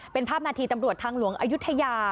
เป็นภาพนาทีตำรวจทางหลวงอายุทยา